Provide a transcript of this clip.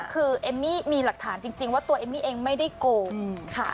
คือเอมมี่มีหลักฐานจริงว่าตัวเอมมี่เองไม่ได้โกงค่ะ